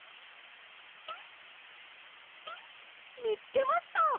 みつけました！